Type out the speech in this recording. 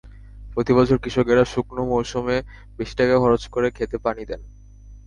প্রতিবছর কৃষকেরা শুকনো মৌসুমে বেশি টাকা খরচ করে খেতে পানি দেন।